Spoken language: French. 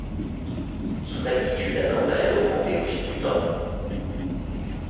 Son altitude a quant à elle augmenté au fil du temps.